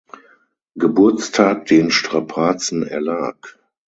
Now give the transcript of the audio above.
Geburtstag den Strapazen erlag.